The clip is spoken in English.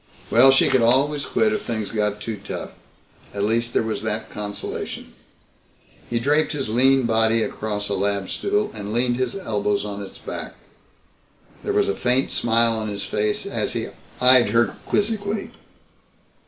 Well, she could always quit if things got too tough. At least there was that consolation. He draped his lean body across a lab stool and leaned his elbows on its back. There was a faint smile on his face as he eyed her quizzically.